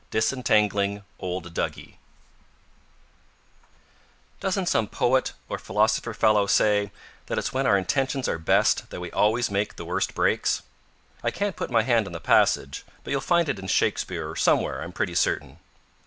DISENTANGLING OLD DUGGIE Doesn't some poet or philosopher fellow say that it's when our intentions are best that we always make the worst breaks? I can't put my hand on the passage, but you'll find it in Shakespeare or somewhere, I'm pretty certain.